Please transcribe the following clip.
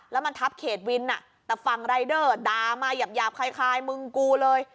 แล้วมันทับเขตวินแต่ฝั่งรายเดอร์ด่ามาหยาบคล้ายมึงกูเลย